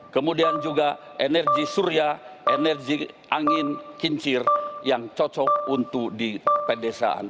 kemudian juga energi surya energi angin kincir yang cocok untuk di pedesaan